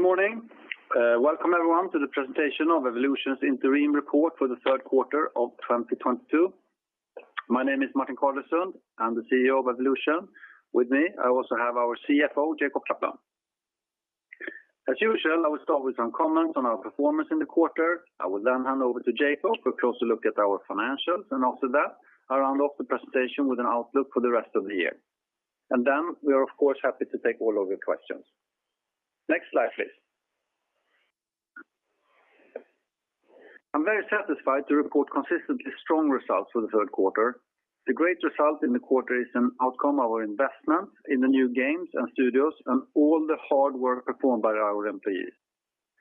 Good morning. Welcome everyone to the presentation of Evolution's interim report for the Q3 of 2022. My name is Martin Carlesund. I'm the CEO of Evolution. With me, I also have our CFO, Jacob Kaplan. As usual, I will start with some comments on our performance in the quarter. I will then hand over to Jacob for a closer look at our financials, and after that, I'll hand off the presentation with an outlook for the rest of the year. We are of course happy to take all of your questions. Next slide, please. I'm very satisfied to report consistently strong results for the Q3. The great result in the quarter is an outcome of our investment in the new games and studios and all the hard work performed by our employees.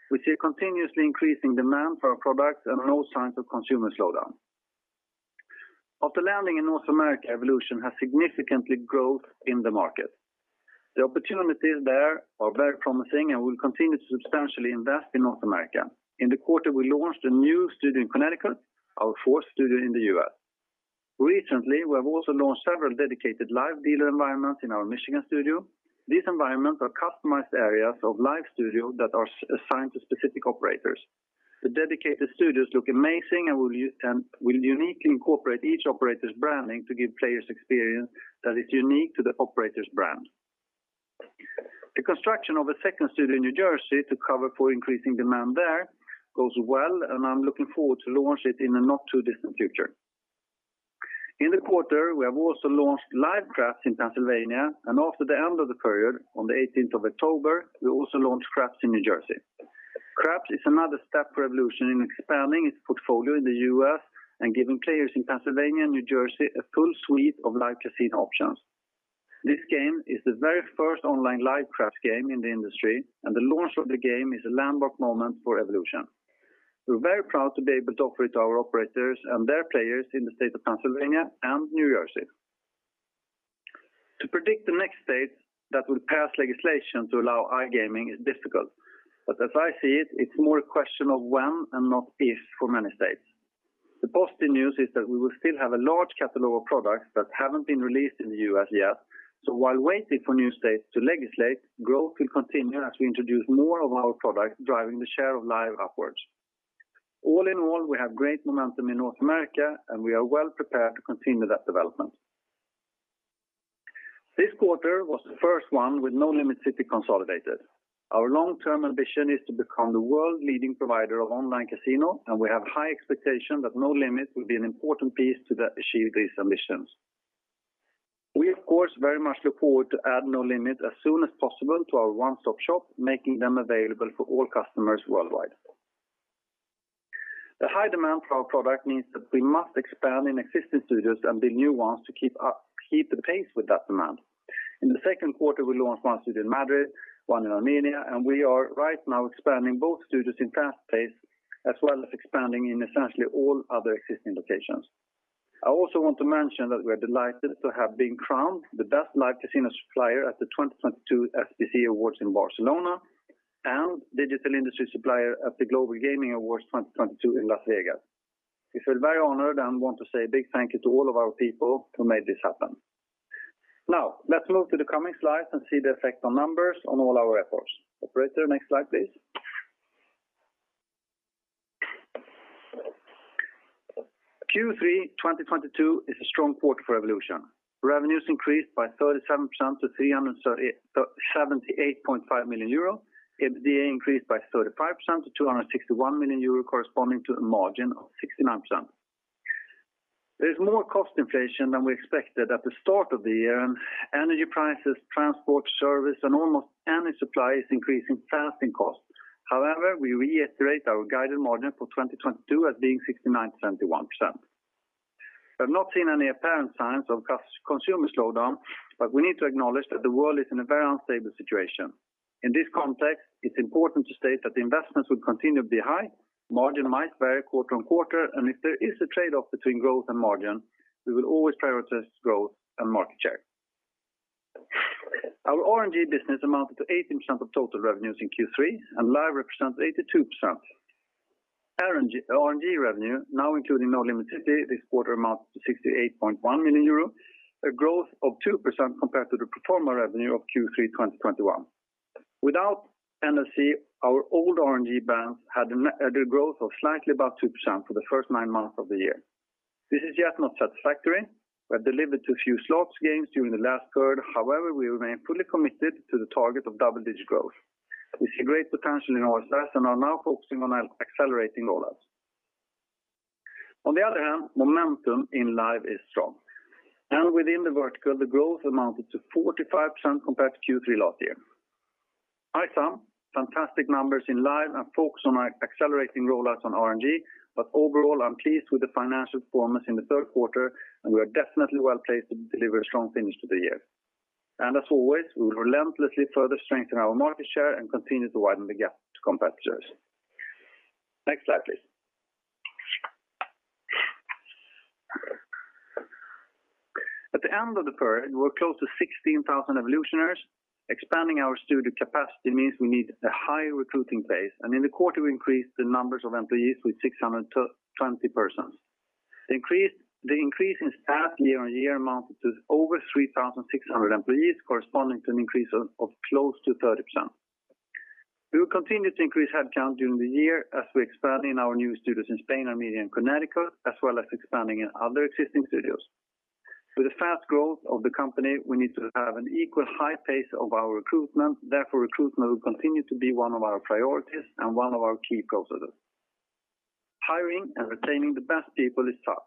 We see a continuously increasing demand for our products and no signs of consumer slowdown. After landing in North America, Evolution has significant growth in the market. The opportunities there are very promising and we'll continue to substantially invest in North America. In the quarter, we launched a new studio in Connecticut, our fourth studio in the U.S. Recently, we have also launched several dedicated live dealer environments in our Michigan studio. These environments are customized areas of live studio that are assigned to specific operators. The dedicated studios look amazing and will uniquely incorporate each operator's branding to give players experience that is unique to the operator's brand. The construction of a second studio in New Jersey to cover for increasing demand there goes well, and I'm looking forward to launch it in the not-too-distant future. In the quarter, we have also launched Live Craps in Pennsylvania, and after the end of the period, on the eighteenth of October, we also launched Craps in New Jersey. Craps is another step for Evolution in expanding its portfolio in the U.S. and giving players in Pennsylvania and New Jersey a full suite of live casino options. This game is the very first online live Craps game in the industry, and the launch of the game is a landmark moment for Evolution. We're very proud to be able to operate our operators and their players in the state of Pennsylvania and New Jersey. To predict the next state that will pass legislation to allow iGaming is difficult. As I see it's more a question of when and not if for many states. The positive news is that we will still have a large catalog of products that haven't been released in the U.S. yet. While waiting for new states to legislate, growth will continue as we introduce more of our products, driving the share of Live upwards. All in all, we have great momentum in North America, and we are well prepared to continue that development. This quarter was the first one with Nolimit City consolidated. Our long-term ambition is to become the world leading provider of online casino, and we have high expectation that Nolimit City will be an important piece to achieve these ambitions. We, of course, very much look forward to add Nolimit City as soon as possible to our one-stop-shop, making them available for all customers worldwide. The high demand for our product means that we must expand in existing studios and build new ones to keep up the pace with that demand. In the Q2, we launched one studio in Madrid, one in Armenia, and we are right now expanding both studios at a fast pace, as well as expanding in essentially all other existing locations. I also want to mention that we are delighted to have been crowned the Best Live Casino Supplier at the 2022 SBC Awards in Barcelona and Digital Industry Supplier at the Global Gaming Awards 2022 in Las Vegas. We feel very honored and want to say a big thank you to all of our people who made this happen. Now, let's move to the coming slides and see the effect of all our efforts on the numbers. Operator, next slide, please. Q3 2022 is a strong quarter for Evolution. Revenues increased by 37% to 377.5 million euro. EBITDA increased by 35% to 261 million euro corresponding to a margin of 69%. There is more cost inflation than we expected at the start of the year. Energy prices, transport service and almost any supply is increasing fast in costs. However, we reiterate our guided margin for 2022 as being 69% to 71%. We have not seen any apparent signs of consumer slowdown, but we need to acknowledge that the world is in a very unstable situation. In this context, it's important to state that the investments will continue to be high, margin might vary quarter-on-quarter, and if there is a trade-off between growth and margin, we will always prioritize growth and market share. Our RNG business amounted to 18% of total revenues in Q3, and Live represents 82%. RNG revenue, now including Nolimit City, this quarter amounts to 68.1 million euro, a growth of 2% compared to the pro forma revenue of Q3 2021. Without NLC, our old RNG brands had an n/a growth of slightly above 2% for the first nine months of the year. This is not yet satisfactory. We have delivered too few slots games during the last third. However, we remain fully committed to the target of double-digit growth. We see great potential in our slots and are now focusing on accelerating rollouts. On the other hand, momentum in Live is strong. Within the vertical, the growth amounted to 45% compared to Q3 last year. I saw fantastic numbers in Live and focus on accelerating rollouts on RNG, but overall, I'm pleased with the financial performance in the Q3, and we are definitely well-placed to deliver a strong finish to the year. As always, we will relentlessly further strengthen our market share and continue to widen the gap to competitors. Next slide, please. At the end of the period, we're close to 16,000 Evolutioners. Expanding our studio capacity means we need a high recruiting base. In the quarter, we increased the numbers of employees with 620 persons. The increase in staff year on year amounted to over 3,600 employees corresponding to an increase of close to 30%. We will continue to increase headcount during the year as we expand in our new studios in Spain and Armenia in Connecticut, as well as expanding in other existing studios. With the fast growth of the company, we need to have an equal high pace of our recruitment. Therefore, recruitment will continue to be one of our priorities and one of our key processes. Hiring and retaining the best people is tough.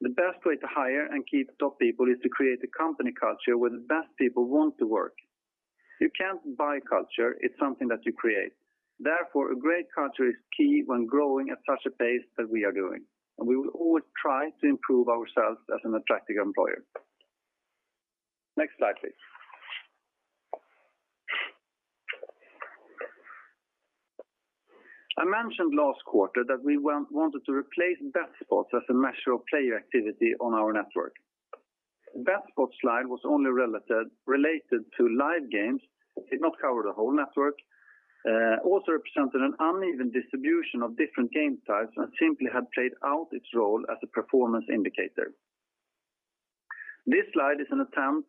The best way to hire and keep top people is to create a company culture where the best people want to work. You can't buy culture, it's something that you create. Therefore, a great culture is key when growing at such a pace that we are doing, and we will always try to improve ourselves as an attractive employer. Next slide, please. I mentioned last quarter that we wanted to replace bet spots as a measure of player activity on our network. Bet spots slide was only related to live games, it did not cover the whole network. It represented an uneven distribution of different game types, and it simply had played out its role as a performance indicator. This slide is an attempt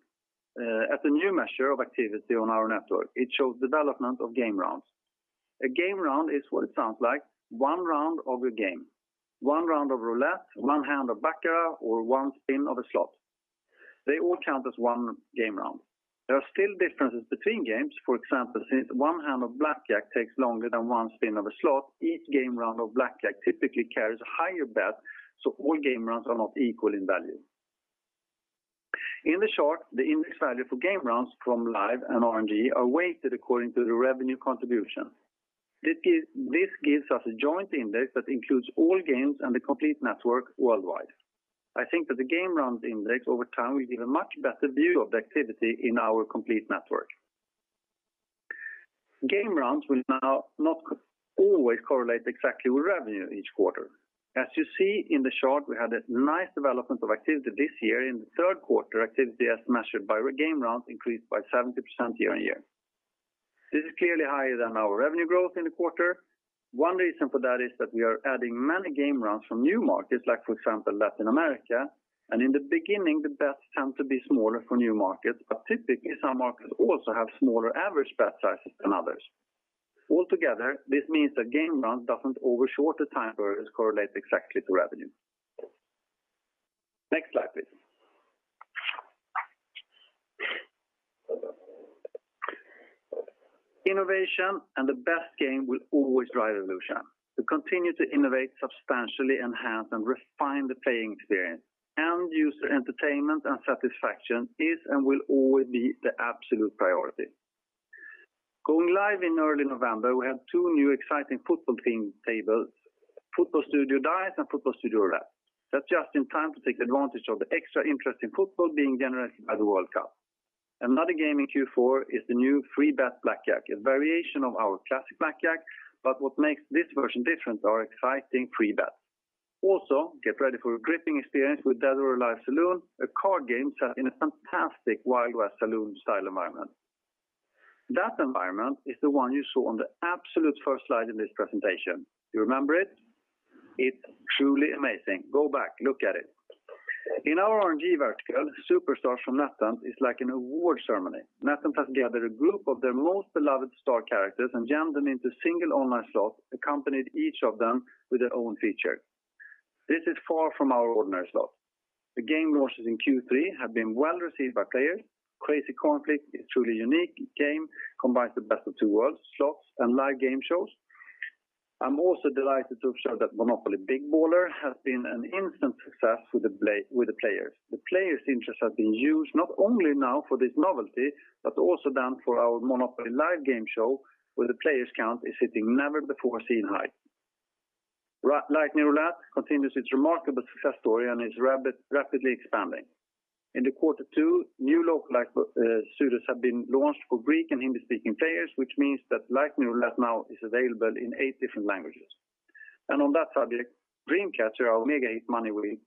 at the new measure of activity on our network. It shows development of Game Rounds. A Game Round is what it sounds like, one round of a game, one round of roulette, one hand of baccarat, or one spin of a slot. They all count as one Game Round. There are still differences between games. For example, since one hand of blackjack takes longer than one spin of a slot, each Game Round of blackjack typically carries a higher bet, so all Game Rounds are not equal in value. In the chart, the index value for Game Rounds from Live and RNG are weighted according to the revenue contribution. This gives us a joint index that includes all games and the complete network worldwide. I think that the Game Rounds index over time will give a much better view of the activity in our complete network. Game Rounds will now not always correlate exactly with revenue each quarter. As you see in the chart, we had a nice development of activity this year. In the Q3, activity as measured by Game Rounds increased by 70% year-on-year. This is clearly higher than our revenue growth in the quarter. One reason for that is that we are adding many Game Rounds from new markets, like for example, Latin America. In the beginning, the bets tend to be smaller for new markets, but typically some markets also have smaller average bet sizes than others. Altogether, this means the Game Rounds don't over shorter time periods correlate exactly to revenue. Next slide, please. Innovation and the best game will always drive Evolution. We continue to innovate, substantially enhance, and refine the playing experience. End-user entertainment and satisfaction is and will always be the absolute priority. Going live in early November, we have two new exciting football-themed tables, Football Studio Dice and Football Studio Roulette. That's just in time to take advantage of the extra interest in football being generated by the World Cup. Another game in Q4 is the new Free Bet Blackjack, a variation of our classic Blackjack. What makes this version different are exciting free bets. Also, get ready for a gripping experience with Dead or Alive Saloon, a card game set in a fantastic Wild West saloon style environment. That environment is the one you saw on the absolute first slide in this presentation. You remember it? It's truly amazing. Go back, look at it. In our RNG vertical, Superstars from NetEnt is like an award ceremony. NetEnt has gathered a group of their most beloved star characters and jammed them into single online slots, accompanied each of them with their own feature. This is far from our ordinary slots. The game launches in Q3 have been well-received by players. Crazy Coin Flip is truly unique game, combines the best of two worlds, slots and live game shows. I'm also delighted to observe that Monopoly Big Baller has been an instant success with the players. The players' interest has been huge, not only now for this novelty, but also then for our Monopoly Live game show, where the players count is hitting never-before-seen height. Lightning Roulette continues its remarkable success story and is rapidly expanding. In quarter two, new localized studios have been launched for Greek- and Hindi-speaking players, which means that Lightning Roulette now is available in eight different languages. On that subject, Dream Catcher, our mega hit money wheel,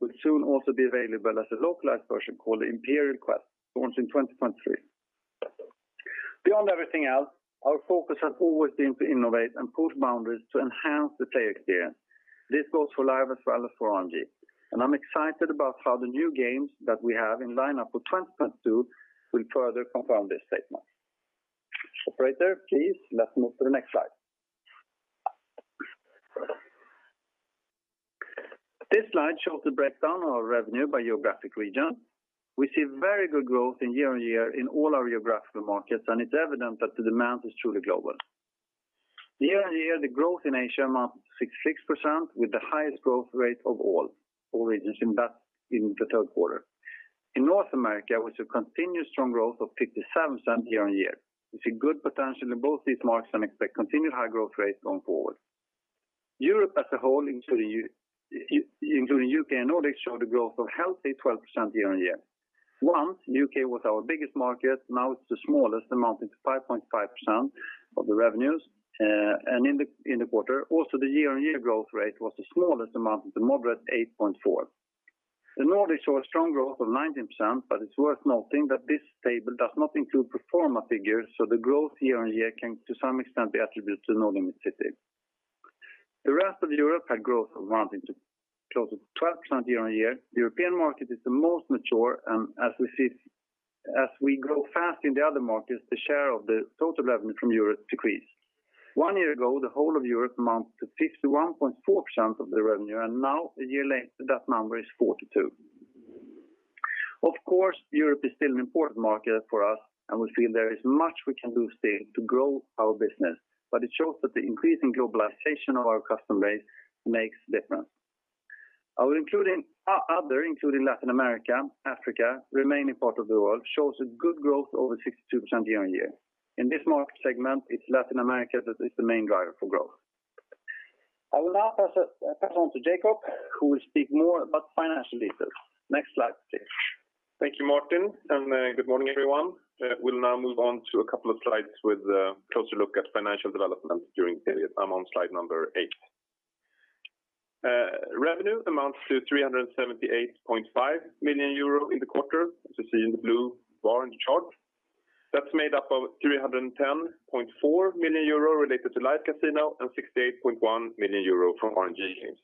will soon also be available as a localized version called the Imperial Quest, launched in 2023. Beyond everything else, our focus has always been to innovate and push boundaries to enhance the player experience. This goes for Live as well as for RNG, and I'm excited about how the new games that we have in line-up for 2022 will further confirm this statement. Operator, please, let's move to the next slide. This slide shows the breakdown of our revenue by geographic region. We see very good growth year-over-year in all our geographical markets, and it's evident that the demand is truly global. Year-over-year, the growth in Asia amounted to 66% with the highest growth rate of all regions in the Q3. In North America, we saw continued strong growth of 57% year-over-year. We see good potential in both these markets and expect continued high growth rates going forward. Europe as a whole, including U.K. and Nordics, showed a growth of healthy 12% year-over-year. Once U.K. was our biggest market, now it's the smallest, amounting to 5.5% of the revenues. In the quarter, also, the year-on-year growth rate was the smallest amount, amounting to modest 8.4%. The Nordics saw a strong growth of 19%, but it's worth noting that this table does not include pro forma figures, so the growth year-on-year can to some extent be attributed to Nolimit City. The rest of Europe had growth of 1 to close to 12% year-on-year. The European market is the most mature, and as we grow fast in the other markets, the share of the total revenue from Europe decreased. One year ago, the whole of Europe amount to 61.4% of the revenue, and now a year later, that number is 42%. Of course, Europe is still an important market for us, and we feel there is much we can do still to grow our business, but it shows that the increasing globalization of our customer base makes a difference. Our other, including Latin America, Africa, remaining part of the world, shows a good growth over 62% year-on-year. In this market segment, it's Latin America that is the main driver for growth. I will now pass on to Jacob, who will speak more about financial details. Next slide, please. Thank you, Martin, and good morning, everyone. We'll now move on to a couple of slides with a closer look at financial development during the period. I'm on slide number 8. Revenue amounts to 378.5 million euro in the quarter, as you see in the blue bar in the chart. That's made up of 310.4 million euro related to Live Casino and 68.1 million euro from RNG games.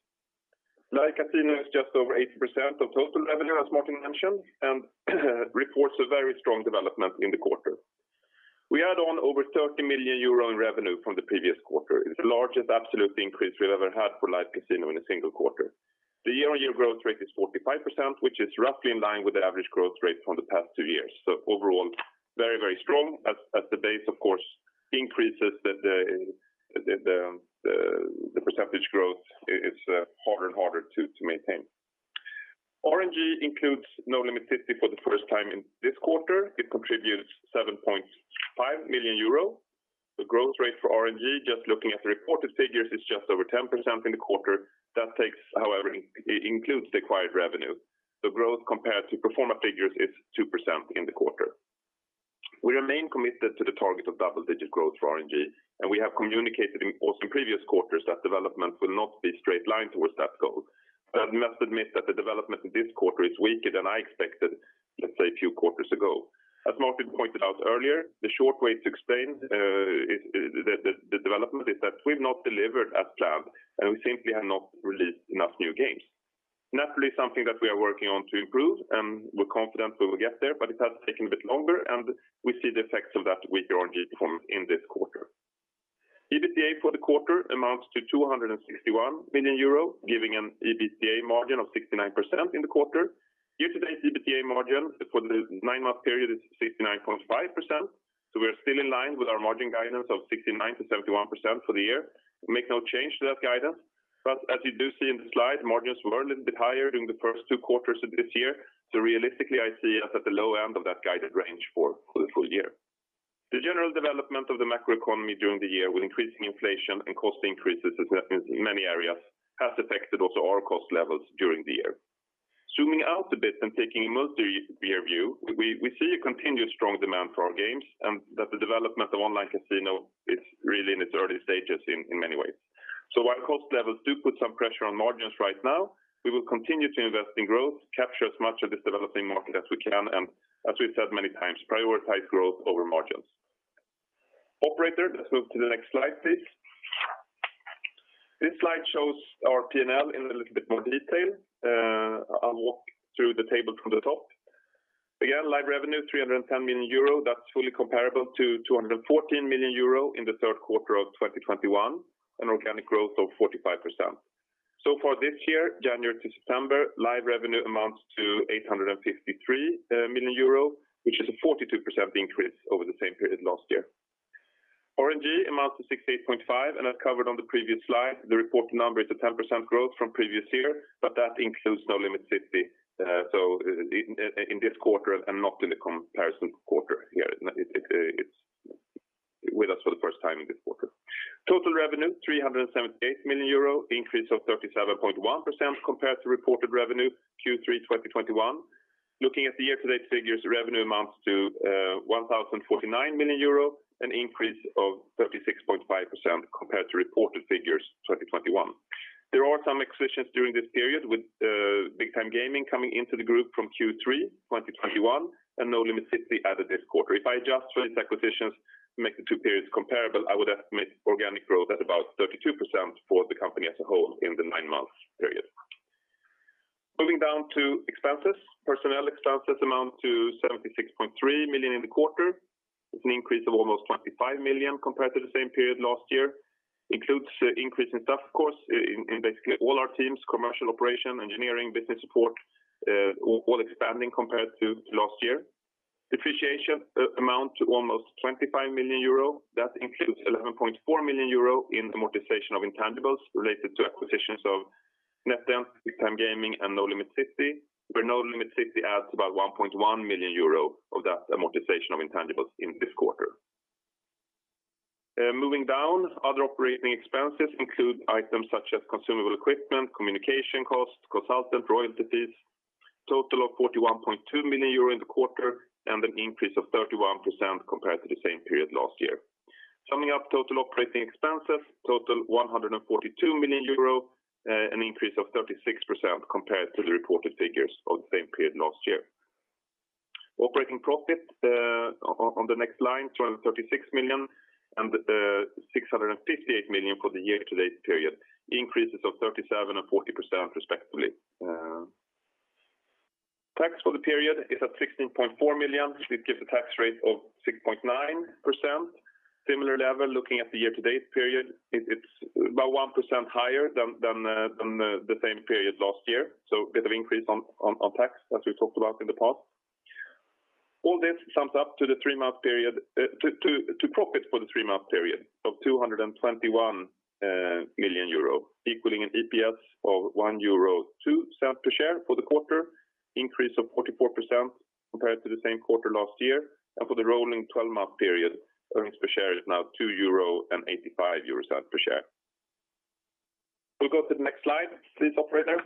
Live Casino is just over 80% of total revenue, as Martin mentioned, and reports a very strong development in the quarter. We add on over 30 million euro in revenue from the previous quarter. It's the largest absolute increase we've ever had for Live Casino in a single quarter. The year-on-year growth rate is 45%, which is roughly in line with the average growth rate from the past two years. Overall, very, very strong. As the base, of course, increases the percentage growth it's harder and harder to maintain. RNG includes Nolimit City for the first time in this quarter. It contributes 7.5 million euro. The growth rate for RNG, just looking at the reported figures, is just over 10% in the quarter. That takes, however, it includes the acquired revenue. The growth compared to pro forma figures is 2% in the quarter. We remain committed to the target of double-digit growth for RNG, and we have communicated also in previous quarters that development will not be straight line towards that goal. I must admit that the development in this quarter is weaker than I expected, let's say a few quarters ago. As Martin pointed out earlier, the short way to explain is the development is that we've not delivered as planned, and we simply have not released enough new games. Naturally something that we are working on to improve, and we're confident we will get there, but it has taken a bit longer, and we see the effects of that weaker RNG performance in this quarter. EBITDA for the quarter amounts to 261 million euro, giving an EBITDA margin of 69% in the quarter. Year-to-date EBITDA margin for the nine-month period is 69.5%. We're still in line with our margin guidance of 69%-71% for the year. We make no change to that guidance. As you do see in the slide, margins were a little bit higher during the first two quarters of this year. Realistically, I see us at the low end of that guided range for the full year. The general development of the macroeconomy during the year with increasing inflation and cost increases as we have seen in many areas has affected also our cost levels during the year. Zooming out a bit and taking a multi-year view, we see a continued strong demand for our games and that the development of online casino is really in its early stages in many ways. While cost levels do put some pressure on margins right now, we will continue to invest in growth, capture as much of this developing market as we can, and as we've said many times, prioritize growth over margins. Operator, let's move to the next slide, please. This slide shows our P&L in a little bit more detail. I'll walk through the table from the top. Again, live revenue, 310 million euro. That's fully comparable to 214 million euro in the Q3 of 2021, an organic growth of 45%. So far this year, January to September, live revenue amounts to 853 million euros, which is a 42% increase over the same period last year. RNG amounts to 68.5 million, and as covered on the previous slide, the reported number is a 10% growth from previous year, but that includes Nolimit City, in this quarter and not in the comparison quarter here. It's with us for the first time in this quarter. Total revenue, 378 million euro, increase of 37.1% compared to reported revenue Q3 2021. Looking at the year-to-date figures, revenue amounts to 1,049 million euro, an increase of 36.5% compared to reported figures 2021. There are some acquisitions during this period with Big Time Gaming coming into the group from Q3 2021 and Nolimit City added this quarter. If I adjust for these acquisitions to make the two periods comparable, I would estimate organic growth at about 32% for the company as a whole in the nine-month period. Moving down to expenses. Personnel expenses amount to 76.3 million in the quarter. It's an increase of almost 25 million compared to the same period last year. Includes increase in staff costs in basically all our teams, commercial operation, engineering, business support, all expanding compared to last year. Depreciation amount to almost 25 million euro. That includes 11.4 million euro in amortization of intangibles related to acquisitions of NetEnt, Big Time Gaming, and Nolimit City, where Nolimit City adds about 1.1 million euro of that amortization of intangibles in this quarter. Moving down, other operating expenses include items such as consumable equipment, communication costs, consultant royalty fees, total of 41.2 million euro in the quarter and an increase of 31% compared to the same period last year. Summing up total operating expenses, total 142 million euro, an increase of 36% compared to the reported figures of the same period last year. Operating profit, on the next line, 236 million and the 658 million for the year-to-date period, increases of 37% and 40% respectively. Tax for the period is at 16.4 million, which gives a tax rate of 6.9%. Similar level, looking at the year-to-date period, it's about 1% higher than the same period last year. Bit of increase on tax as we talked about in the past. All this sums up to the profit for the three-month period of 221 million euro, equaling an EPS of 1.02 euro per share for the quarter, increase of 44% compared to the same quarter last year. For the rolling twelve-month period, earnings per share is now 2.85 euro per share. We'll go to the next slide please, operator.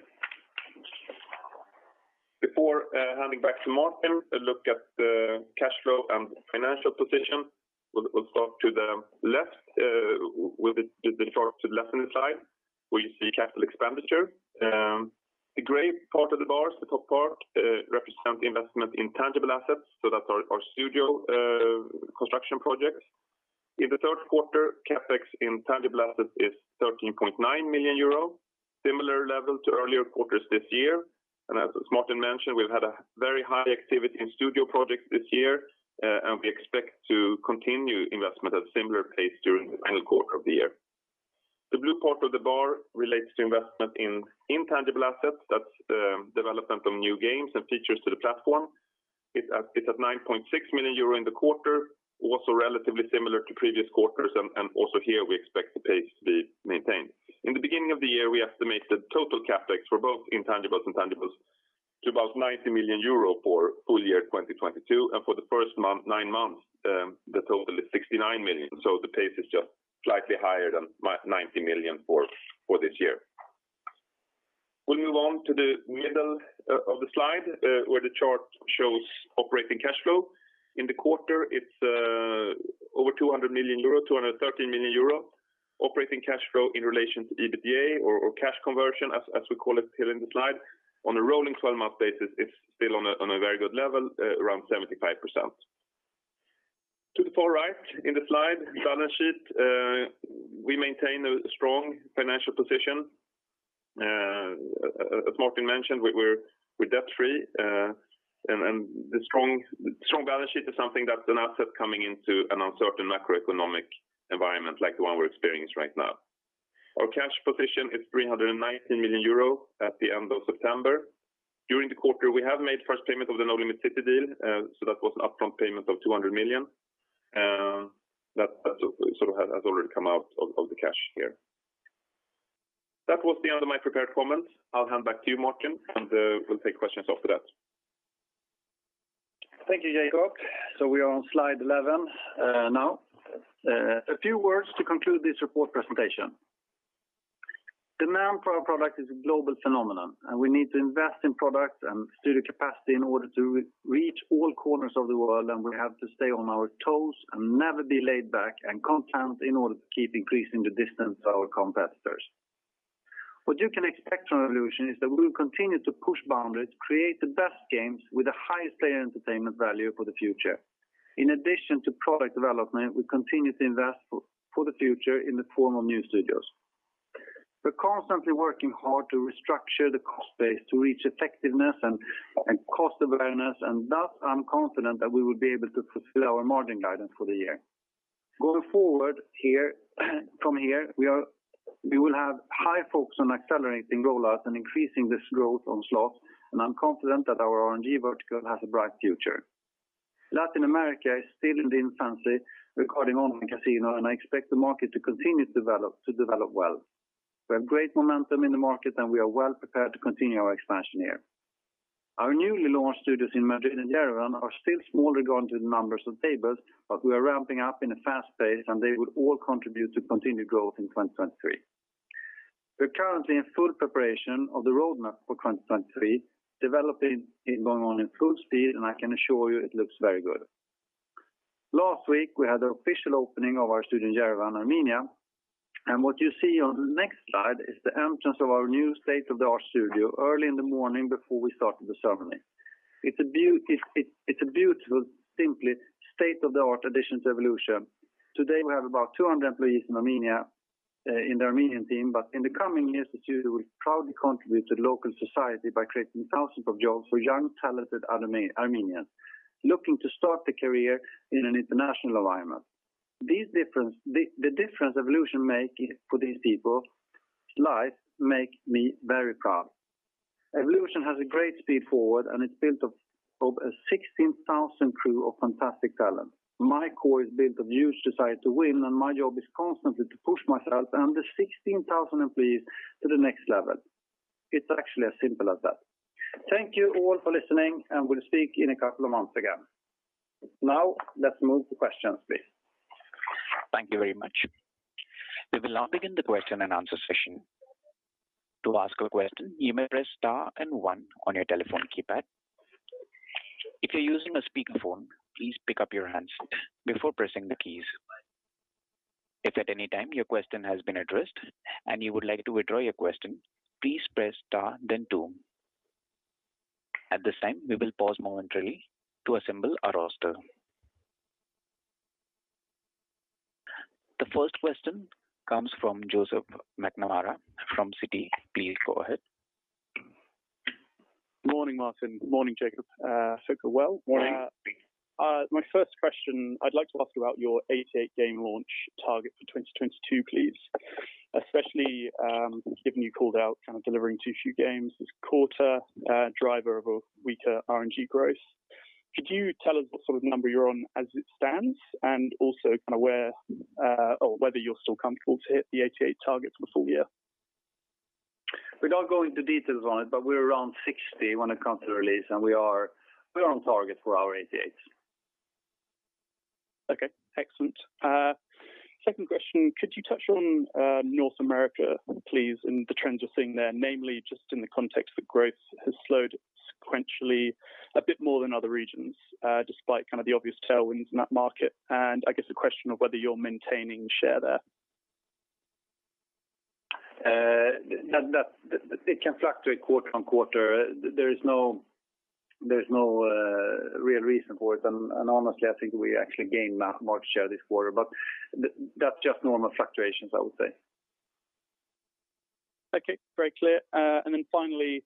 Before handing back to Martin, a look at the cash flow and financial position. We'll start to the left with the chart to the left-hand side, where you see capital expenditure. The gray part of the bars, the top part represents the investment in tangible assets, so that's our studio construction projects. In the Q3, CapEx in tangible assets is 13.9 million euros, similar level to earlier quarters this year. As Martin mentioned, we've had a very high activity in studio projects this year, and we expect to continue investment at a similar pace during the final quarter of the year. The blue part of the bar relates to investment in intangible assets. That's development of new games and features to the platform. It's at 9.6 million euro in the quarter, also relatively similar to previous quarters and also here we expect the pace to be maintained. In the beginning of the year, we estimated total CapEx for both intangibles and tangibles to about 90 million euro for full year 2022. For the first nine months, the total is 69 million, so the pace is just slightly higher than 90 million for this year. We'll move on to the middle of the slide, where the chart shows operating cash flow. In the quarter, it's over 200 million euro, 213 million euro operating cash flow in relation to EBITDA or cash conversion as we call it here in the slide. On a rolling twelve-month basis, it's still on a very good level, around 75%. To the far right in the slide, balance sheet. We maintain a strong financial position. As Martin mentioned, we're debt-free. The strong balance sheet is something that's an asset coming into an uncertain macroeconomic environment like the one we're experiencing right now. Our cash position is 319 million euro at the end of September. During the quarter, we have made first payment of the Nolimit City deal, so that was an upfront payment of 200 million. That sort of has already come out of the cash here. That was the end of my prepared comments. I'll hand back to you, Martin, and we'll take questions after that. Thank you, Jacob Kaplan. We are on slide eleven, now. A few words to conclude this report presentation. Demand for our product is a global phenomenon, and we need to invest in product and studio capacity in order to reach all corners of the world, and we have to stay on our toes and never be laid back and content in order to keep increasing the distance to our competitors. What you can expect from Evolution is that we will continue to push boundaries, create the best games with the highest player entertainment value for the future. In addition to product development, we continue to invest for the future in the form of new studios. We're constantly working hard to restructure the cost base to reach effectiveness and cost awareness, and thus, I'm confident that we will be able to fulfill our margin guidance for the year. Going forward from here, we will have high focus on accelerating roll-outs and increasing this growth on slots, and I'm confident that our RNG vertical has a bright future. Latin America is still in its infancy regarding online casino, and I expect the market to continue to develop well. We have great momentum in the market, and we are well prepared to continue our expansion here. Our newly launched studios in Madrid and Yerevan are still small regarding the number of tables, but we are ramping up at a fast pace, and they will all contribute to continued growth in 2023. We're currently in full preparation of the roadmap for 2023, developing is going on in full speed, and I can assure you it looks very good. Last week, we had an official opening of our studio in Yerevan, Armenia, and what you see on the next slide is the entrance of our new state-of-the-art studio early in the morning before we started the ceremony. It's a beautiful, simply state-of-the-art addition to Evolution. Today, we have about 200 employees in Armenia, in the Armenian team, but in the coming years, the studio will proudly contribute to local society by creating thousands of jobs for young, talented Armenians looking to start a career in an international environment. The difference Evolution make for these people's life make me very proud. Evolution has a great speed forward, and it's built of a 16,000 crew of fantastic talent. My core is built of huge desire to win, and my job is constantly to push myself and the 16,000 employees to the next level. It's actually as simple as that. Thank you all for listening, and we'll speak in a couple of months again. Now let's move to questions, please. Thank you very much. We will now begin the question and answer session. To ask a question, you may press star and one on your telephone keypad. If you're using a speakerphone, please pick up your handset before pressing the keys. If at any time your question has been addressed and you would like to withdraw your question, please press star then two. At this time, we will pause momentarily to assemble our roster. The first question comes from Joseph McNamara from Citi. Please go ahead. Good Morning, Martin, Good Morning, Jacob. Hope you're well. Good Morning. My first question, I'd like to ask you about your 88 game launch target for 2022, please. Especially, given you called out kind of delivering two shoe games this quarter, driver of a weaker RNG growth. Could you tell us what sort of number you're on as it stands? Also kind of where, or whether you're still comfortable to hit the 88 targets for the full year. Without going into details on it, but we're around 60 when it comes to release, and we are on target for our 88. Okay, excellent. Second question, could you touch on North America, please, and the trends you're seeing there, namely just in the context of growth has slowed sequentially a bit more than other regions, despite kind of the obvious tailwinds in that market. I guess a question of whether you're maintaining share there. It can fluctuate quarter-on-quarter. There is no real reason for it. Honestly, I think we actually gained market share this quarter, but that's just normal fluctuations, I would say. Okay, very clear. Finally,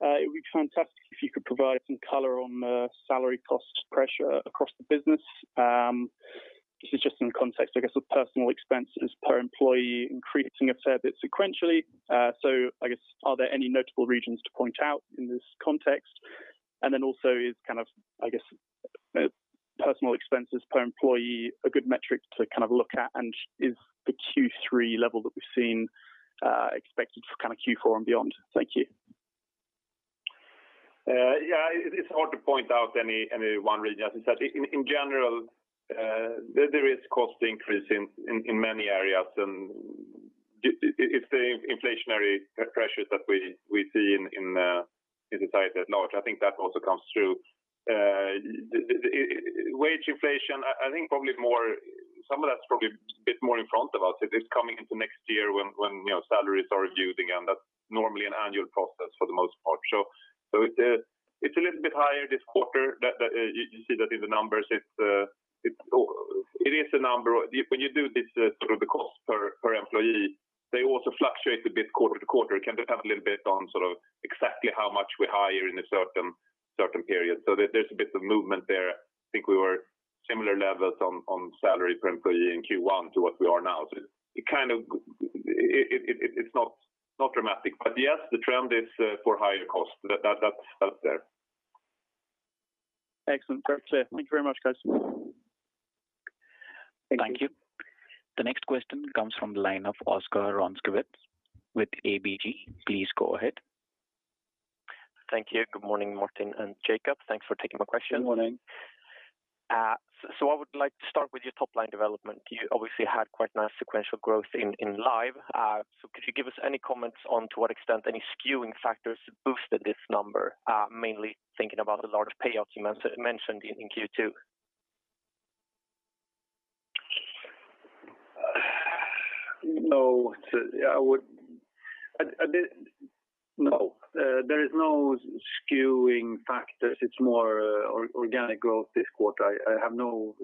it would be fantastic if you could provide some color on the salary cost pressure across the business. This is just in context, I guess, of personnel expenses per employee increasing a fair bit sequentially. I guess are there any notable regions to point out in this context? Is kind of, I guess, personnel expenses per employee a good metric to kind of look at? Is the Q3 level that we've seen, expected for kind of Q4 and beyond? Thank you. It's hard to point out any one region. As I said, in general, there is cost increase in many areas and it's the inflationary pressures that we see in the society at large. I think that also comes through. Wage inflation, I think probably more, some of that's probably a bit more in front of us. It is coming into next year when salaries are reviewed again. That's normally an annual process for the most part. It's a little bit higher this quarter. You see that in the numbers. It's a number. When you do this sort of the cost per employee, they also fluctuate a bit quarter to quarter. It can depend a little bit on sort of exactly how much we hire in a certain period. There, there's a bit of movement there. I think we were similar levels on salary per employee in Q1 to what we are now. It kind of, it's not dramatic. Yes, the trend is for higher costs. That's there. Excellent. Very clear. Thank you very much, guys. Thank you. Thank you. The next question comes from the line of Oscar Rönnkvist with ABG. Please go ahead. Thank you. Good morning, Martin and Jacob. Thanks for taking my question. Good morning. I would like to start with your top line development. You obviously had quite nice sequential growth in live. Could you give us any comments on to what extent any skewing factors boosted this number? Mainly thinking about the large payouts you mentioned in Q2. No. There is no skewing factors. It's more organic growth this quarter. I have no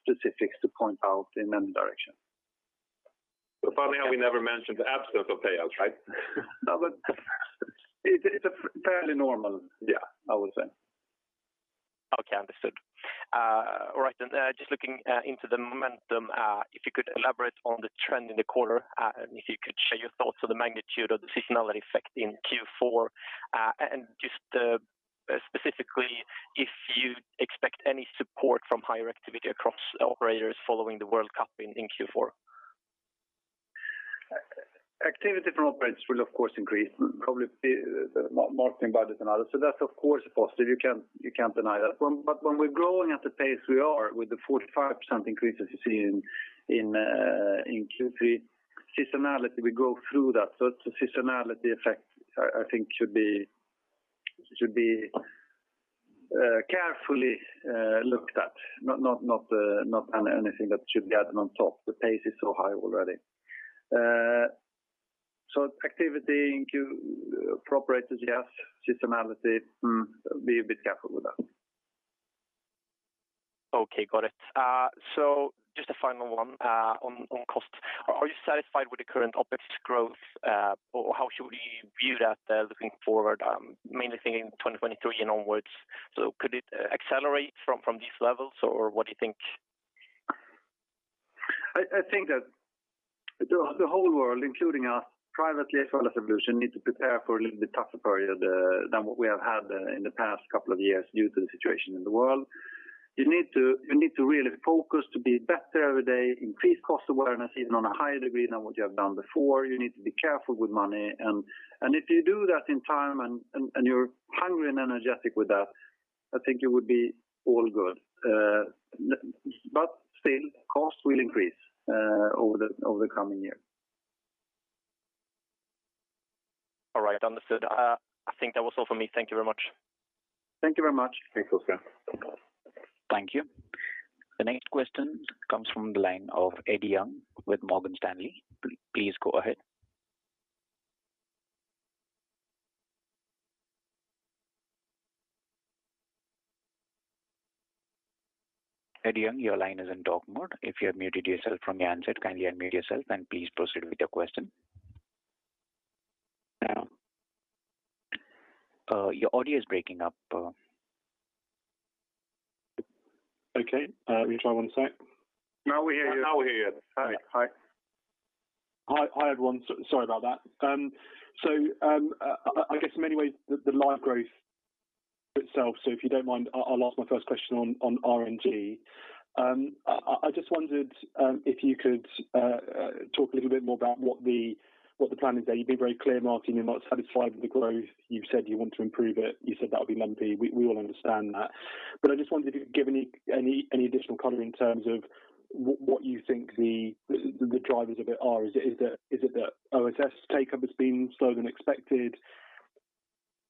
specifics to point out in any direction. Funny how we never mentioned the absence of payouts, right? No, it's a fairly normal year, I would say. Okay, understood. All right. Just looking into the momentum, if you could elaborate on the trend in the quarter, and if you could share your thoughts on the magnitude of the seasonality effect in Q4. Just specifically if you expect any support from higher activity across operators following the World Cup in Q4. Activity from operators will of course increase, probably be the marketing budget and others. That's of course a positive. You can't deny that. But when we're growing at the pace we are with the 45% increase as you see in Q3, seasonality we go through that. The seasonality effect I think should be carefully looked at, not anything that should be added on top. The pace is so high already. Activity in Q4 for operators, yes. Seasonality, be a bit careful with that. Okay, got it. Just a final one on cost. Are you satisfied with the current OpEx growth? Or how should we view that looking forward, mainly thinking 2023 and onwards? Could it accelerate from these levels or what do you think? I think that the whole world, including us privately as well as Evolution, need to prepare for a little bit tougher period than what we have had in the past couple of years due to the situation in the world. You need to really focus to be better every day, increase cost awareness even on a higher degree than what you have done before. You need to be careful with money. If you do that in time and you're hungry and energetic with that, I think it would be all good. Still costs will increase over the coming year. Understood. I think that was all for me. Thank you very much. Thank you very much. Thanks, Oscar. Thank you. The next question comes from the line of Edward Young with Morgan Stanley. Please go ahead. Edward Young, your line is in talk mode. If you have muted yourself from your end, kindly unmute yourself, and please proceed with your question. Your audio is breaking up. Okay. Let me try one sec. Now we hear you. Now we hear you. Hi, everyone. Sorry about that. I guess in many ways the live growth itself. If you don't mind, I'll ask my first question on RNG. I just wondered if you could talk a little bit more about what the plan is there. You've been very clear, Martin. You're not satisfied with the growth. You've said you want to improve it. You said that would be lumpy. We all understand that. I just wondered if you could give any additional color in terms of what you think the drivers of it are. Is it that OSS take-up has been slower than expected?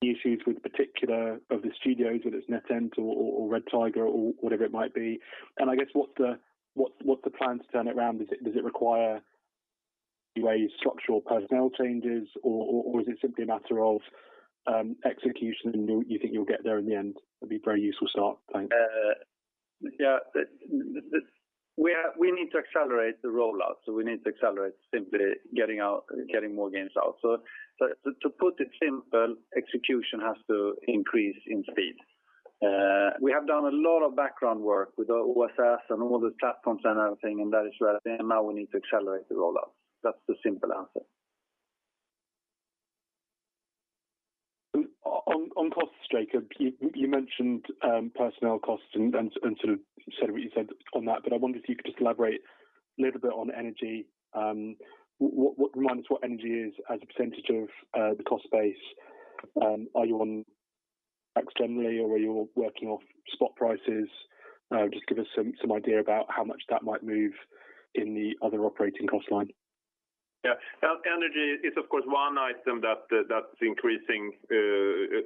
Issues with particular studios, whether it's NetEnt or Red Tiger or whatever it might be. I guess what's the plan to turn it around? Does it require a structural personnel changes or is it simply a matter of execution and you think you'll get there in the end? That'd be a very useful start. Thanks. We need to accelerate the rollout, so we need to accelerate simply getting out, getting more games out. To put it simple, execution has to increase in speed. We have done a lot of background work with OSS and all the platforms and everything, and now we need to accelerate the rollout. That's the simple answer. On costs, Jacob, you mentioned personnel costs and sort of said what you said on that, but I wonder if you could just elaborate a little bit on energy. What is energy as a percentage of the cost base? Are you on fixed generally or are you working off spot prices? Just give us some idea about how much that might move in the other operating cost line. Yeah. Healthcare and energy is of course one item that that's increasing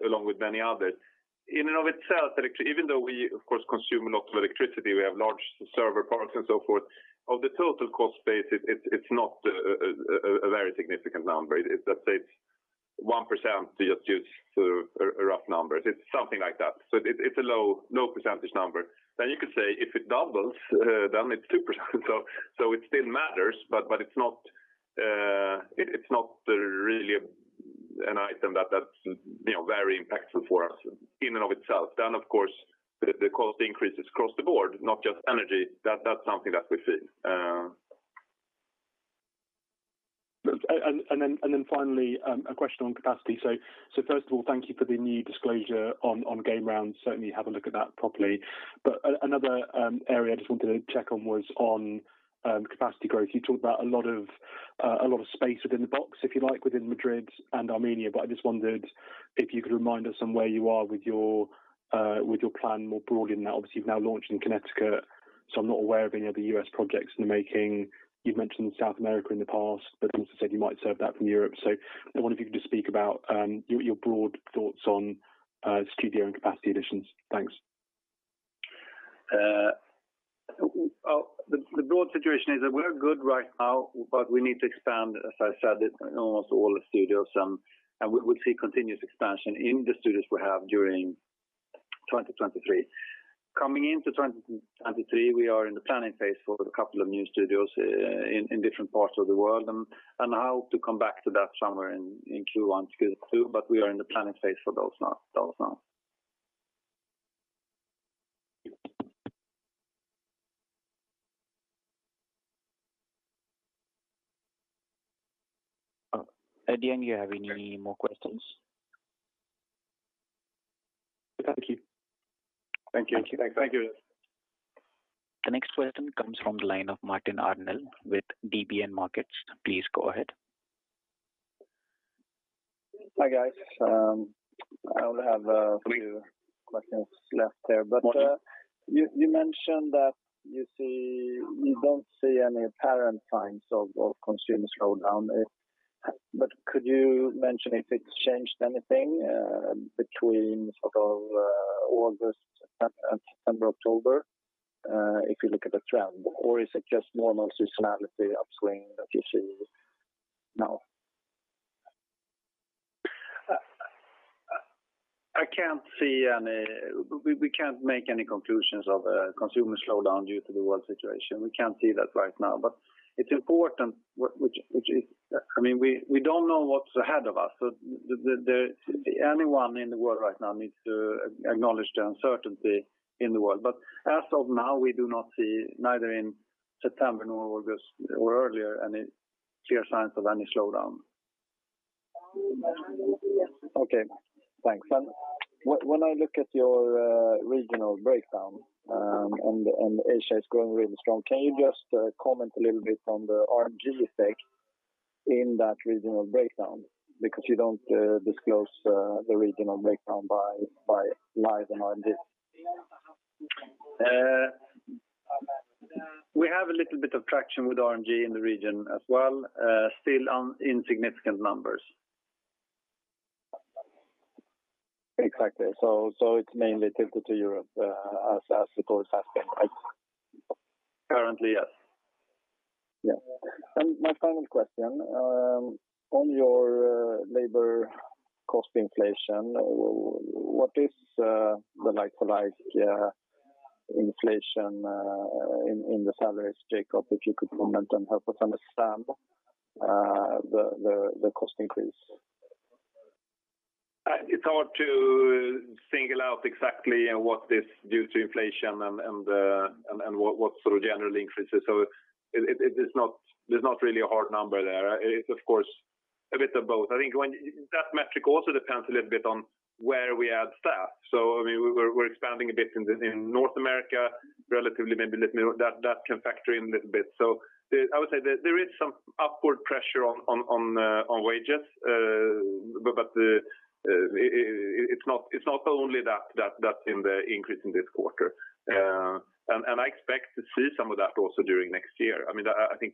along with many others. In and of itself, even though we of course consume a lot of electricity, we have large server products and so forth, of the total cost base, it's not a very significant number. It's, let's say, 1% to just use sort of a rough number. It's something like that. It's a low percentage number. You could say if it doubles, then it's 2%. It still matters, but it's not really an item that that's very impactful for us in and of itself. Of course, the cost increases across the board, not just energy. That's something that we've seen. Finally, a question on capacity. First of all, thank you for the new disclosure on Game Rounds. Certainly have a look at that properly. Another area I just wanted to check on was on capacity growth. You talked about a lot of space within the box, if you like, within Madrid and Armenia, but I just wondered if you could remind us on where you are with your plan more broadly. Now obviously you've now launched in Connecticut, so I'm not aware of any other US projects in the making. You've mentioned South America in the past, but you also said you might serve that from Europe. I wonder if you could just speak about your broad thoughts on studio and capacity additions. Thanks. Well, the broad situation is that we're good right now, but we need to expand, as I said, in almost all the studios, and we'll see continuous expansion in the studios we have during 2023. Coming into 2023, we are in the planning phase for a couple of new studios in different parts of the world, and I hope to come back to that somewhere in Q1, Q2, but we are in the planning phase for those now. Eddie, do you have any more questions? Thank you. Thank you. The next question comes from the line of Martin Arnell with DNB Markets. Please go ahead. Hi, guys. I only have a few questions left there. You mentioned that you don't see any pattern signs of consumer slowdown. Could you mention if it's changed anything between sort of August, September, October, if you look at the trend? Or is it just normal seasonality upswing that you see now? We can't make any conclusions of a consumer slowdown due to the world situation. We can't see that right now. It's important, which is I mean, we don't know what's ahead of us. Anyone in the world right now needs to acknowledge the uncertainty in the world. As of now, we do not see neither in September nor August or earlier any clear signs of any slowdown. Okay, thanks. When I look at your regional breakdown, Asia is growing really strong. Can you just comment a little bit on the RNG effect in that regional breakdown? Because you don't disclose the regional breakdown by live and RNG. We have a little bit of traction with RNG in the region as well, still on insignificant numbers. Exactly. It's mainly tilted to Europe, as the goals have been, right? Currently, yes. My final question on your labor cost inflation, what is the like to like inflation in the salaries, Jacob, if you could comment and help us understand the cost increase? It's hard to single out exactly what is due to inflation and what sort of general increases. It's not. There's not really a hard number there. It is, of course, a bit of both. I think that metric also depends a little bit on where we add staff. I mean, we're expanding a bit in North America relatively, maybe little that can factor in a little bit. I would say there is some upward pressure on wages. But it's not only that that's in the increase in this quarter. I expect to see some of that also during next year. I mean, I think,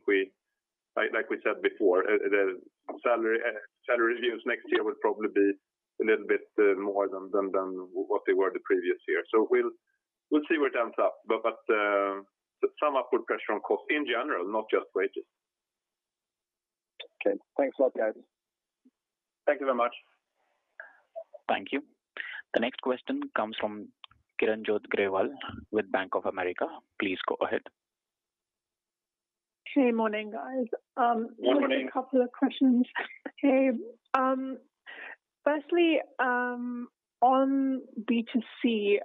like we said before, the salary reviews next year will probably be a little bit more than what they were the previous year. We'll see where it ends up. Some upward pressure on costs in general, not just wages. Okay. Thanks a lot, guys. Thank you very much. Thank you. The next question comes from Kiranjot Grewal with Bank of America. Please go ahead. Hey, morning, guys. Morning. I have a couple of questions. Okay. Firstly, on B2C,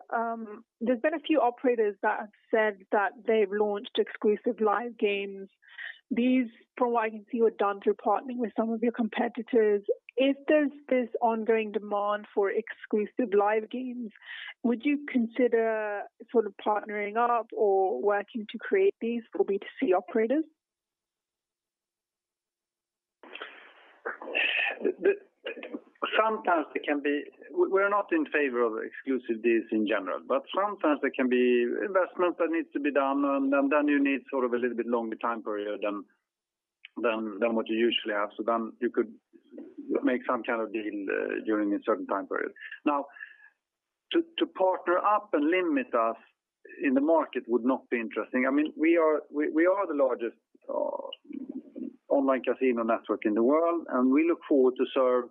there's been a few operators that have said that they've launched exclusive live games. These, from what I can see, were done through partnering with some of your competitors. If there's this ongoing demand for exclusive live games, would you consider sort of partnering up or working to create these for B2C operators? We're not in favor of exclusive deals in general, but sometimes there can be investment that needs to be done, and then you need sort of a little bit longer time period than what you usually have. Then you could make some kind of deal during a certain time period. Now, to partner up and limit us in the market would not be interesting. I mean, we are the largest online casino network in the world, and we look forward to serve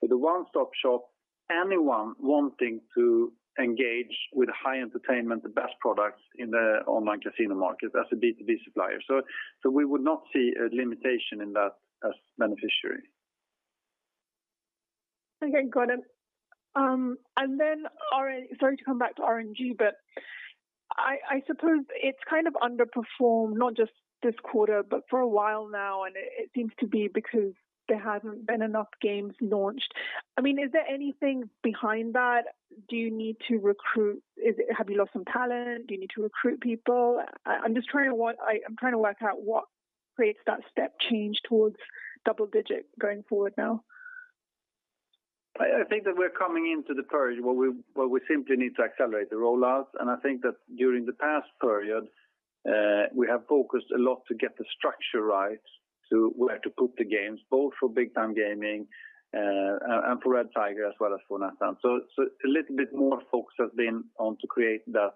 with a one-stop shop anyone wanting to engage with high entertainment, the best products in the online casino market as a B2B supplier. We would not see a limitation in that as beneficial. Okay, got it. Sorry to come back to RNG, but I suppose it's kind of underperformed not just this quarter but for a while now, and it seems to be because there hasn't been enough games launched. I mean, is there anything behind that? Do you need to recruit? Is it? Have you lost some talent? Do you need to recruit people? I'm just trying to work out what creates that step change towards double digit going forward now. I think that we're coming into the surge where we simply need to accelerate the rollout. I think that during the past period, we have focused a lot to get the structure right to where to put the games, both for Big Time Gaming and for Red Tiger as well as for NetEnt. A little bit more focus has been on to create that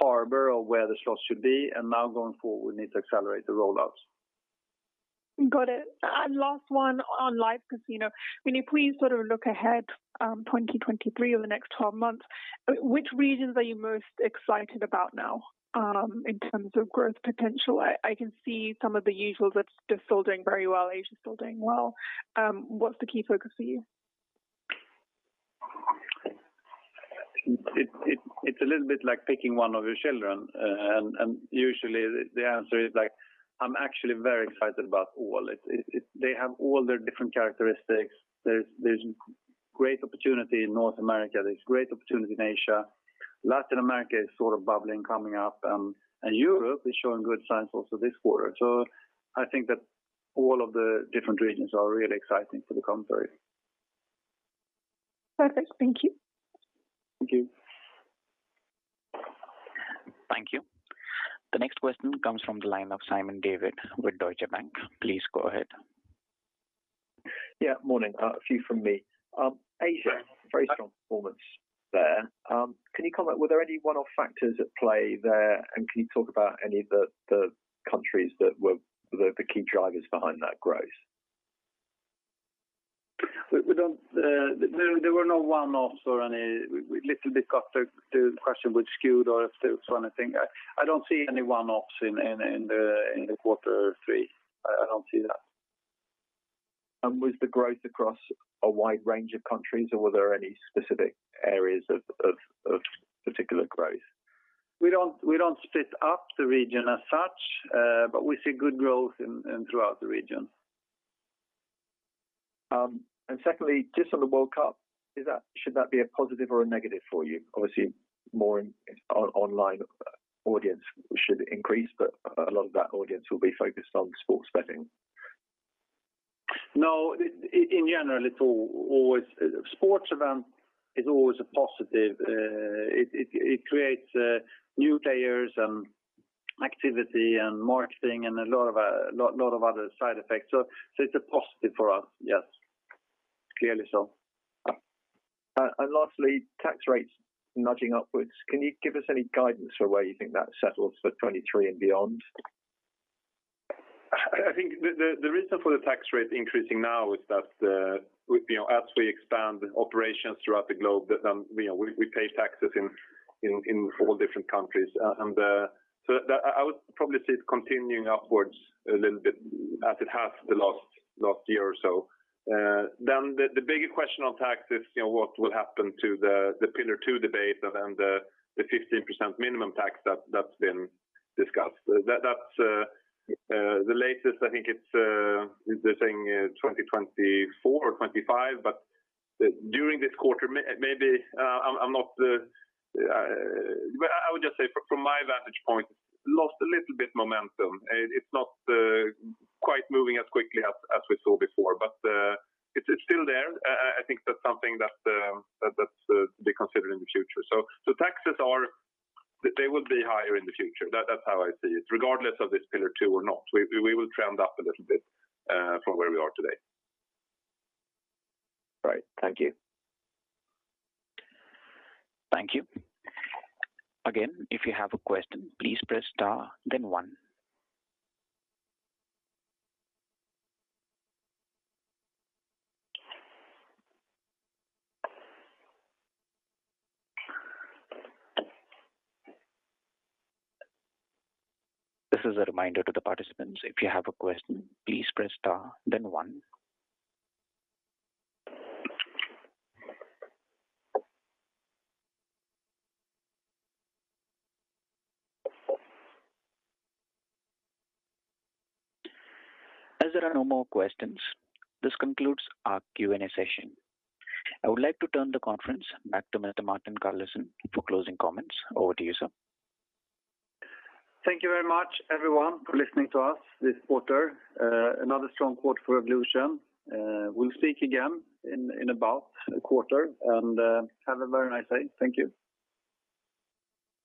hub of where the slots should be, and now going forward, we need to accelerate the rollouts. Got it. Last one on Live Casino. When you please sort of look ahead, 2023 or the next twelve months, which regions are you most excited about now, in terms of growth potential? I can see some of the usuals are still doing very well. Asia is still doing well. What's the key focus for you? It's a little bit like picking one of your children. Usually the answer is like, I'm actually very excited about all. They have all their different characteristics. There's great opportunity in North America. There's great opportunity in Asia. Latin America is sort of bubbling, coming up. Europe is showing good signs also this quarter. I think that all of the different regions are really exciting for the coming period. Perfect. Thank you. Thank you. Thank you. The next question comes from the line of Simon Davies with Deutsche Bank. Please go ahead. Yeah, morning. A few from me. Asia, very strong performance there. Can you comment, were there any one-off factors at play there, and can you talk about any of the countries that were the key drivers behind that growth? We don't. There were no one-offs or any. We little bit got to the question was skewed or if there was one thing. I don't see any one-offs in the quarter three. I don't see that. Was the growth across a wide range of countries, or were there any specific areas of particular growth? We don't split up the region as such, but we see good growth throughout the region. Secondly, just on the World Cup, should that be a positive or a negative for you? Obviously, more online audience should increase, but a lot of that audience will be focused on sports betting. No, in general, sports event is always a positive. It creates new players and activity and marketing and a lot of other side effects. It's a positive for us, yes. Clearly so. Lastly, tax rates nudging upwards. Can you give us any guidance for where you think that settles for 2023 and beyond? I think the reason for the tax rate increasing now is that, with as we expand operations throughout the globe, then you know we pay taxes in all different countries. I would probably see it continuing upwards a little bit as it has the last year or so. The bigger question on tax is what will happen to the Pillar Two debate and then the 15% minimum tax that's been discussed. That's the latest I think it's they're saying 2024 or 2025, but during this quarter maybe. I would just say from my vantage point, lost a little bit momentum. It's not quite moving as quickly as we saw before, but it's still there. I think that's something that's to be considered in the future. They will be higher in the future. That's how I see it. Regardless of this Pillar Two or not, we will trend up a little bit from where we are today. Right. Thank you. Thank you. Again, if you have a question, please press star then one. This is a reminder to the participants, if you have a question, please press star then one. As there are no more questions, this concludes our Q&A session. I would like to turn the conference back to Mr. Martin Carlesund for closing comments. Over to you, sir. Thank you very much everyone for listening to us this quarter. Another strong quarter for Evolution. We'll speak again in about a quarter and have a very nice day. Thank you.